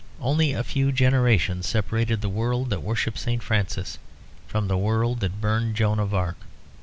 Only a few generations separated the world that worshipped St. Francis from the world that burned Joan of Arc.